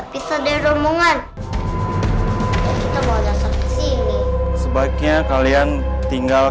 bisa aja bisa deh rombongan